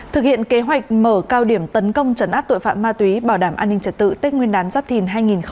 thực hiện kế hoạch mở cao điểm tấn công trấn áp tội phạm ma túy bảo đảm an ninh trật tự tết nguyên đán giáp thìn hai nghìn hai mươi bốn